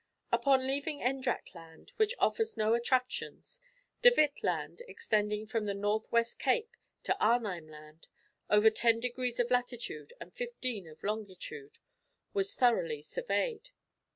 ] Upon leaving Endracht Land, which offers no attractions, De Witt Land extending from the North West Cape to Arnheim Land, over ten degrees of latitude and fifteen of longitude was thoroughly surveyed.